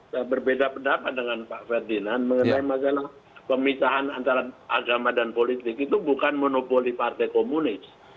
saya berbeda pendapat dengan pak ferdinand mengenai masalah pemisahan antara agama dan politik itu bukan monopoli partai komunis